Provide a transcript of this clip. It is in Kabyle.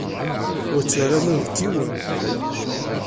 Ur ttgeɣ laman deg yiwen.